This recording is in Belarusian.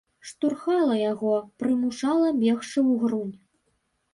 Штурхала яго, прымушала бегчы ўгрунь.